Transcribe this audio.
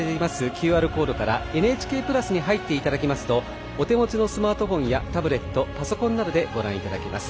ＱＲコードから「ＮＨＫプラス」に入っていただきますとお手持ちのスマートフォンやタブレット、パソコンなどでご覧いただけます。